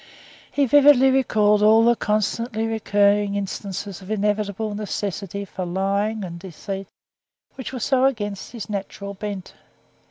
He vividly recalled all the constantly recurring instances of inevitable necessity for lying and deceit, which were so against his natural bent.